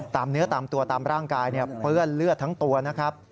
เนื้อตามตัวตามร่างกายเปื้อนเลือดทั้งตัวนะครับ